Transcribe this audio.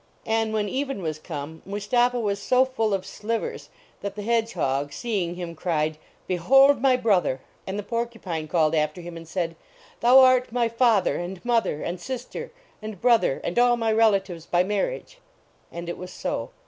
And when even was come Mustapha was so full of slivers that the hedge hog, seeing him, cried," Behold my brother !" And the porcupine called after him and said, Thou art my father and mother, and sister and brother, and all my relatives by mar riage!" And it was so.